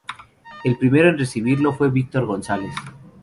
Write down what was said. El primero en recibirlo fue Víctor González.